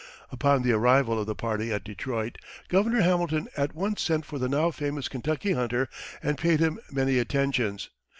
Upon the arrival of the party at Detroit Governor Hamilton at once sent for the now famous Kentucky hunter and paid him many attentions.